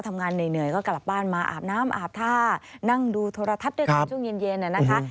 ทำงานเหนื่อยก็กลับบ้านมาอาบน้ำอาบท่านั่งดูโทรทัศน์ด้วยกันช่วงเย็นนะคะ